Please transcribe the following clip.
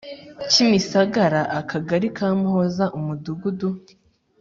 Kimisagara akagali Kamuhoza Umudugudu